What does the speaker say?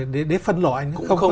để phân loại